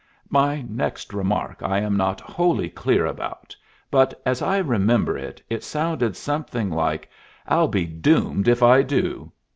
My next remark I am not wholly clear about, but, as I remember it, it sounded something like "I'll be doomed if I do!"